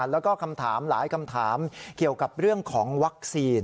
แล้วก็คำถามหลายคำถามเกี่ยวกับเรื่องของวัคซีน